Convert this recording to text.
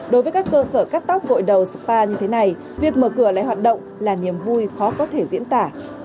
đối với các cơ sở cắt tóc vội đầu spa như thế này việc mở cửa lại hoạt động là niềm vui khó có thể diễn tả